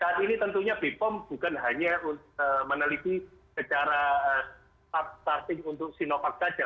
saat ini tentunya bepom bukan hanya meneliti secara starting untuk sinovac saja